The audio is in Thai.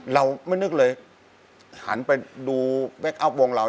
เราเป็นเมื่อนึกเลยหันไปดูแบ็คอัพวงเรา